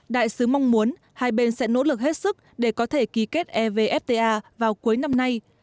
đại sứ mong muốn hai bên sẽ nỗ lực hết sức để có thể ký kết evfta vào cuối năm nay